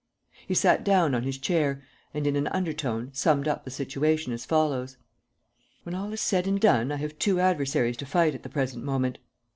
He sat down on his chair and, in an undertone, summed up the situation as follows: "When all is said and done, I have two adversaries to fight at the present moment.